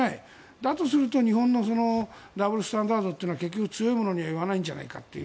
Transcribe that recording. だとすると、日本のダブルスタンダードは強い者には言わないんじゃないかという。